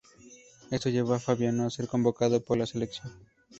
Esto llevó a Fabiano a ser convocado por la selección.